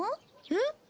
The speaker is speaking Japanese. えっ？